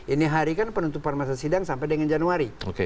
ini hari kan penutupan masa sidang sampai dengan januari